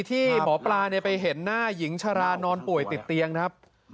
ที่หมอปลาไปเห็นหน้าหญิงชรานอนป่วยติดเตียงครับ